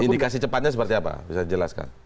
indikasi cepatnya seperti apa bisa dijelaskan